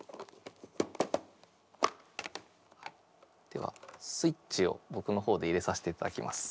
ではスイッチをぼくのほうで入れさせていただきます。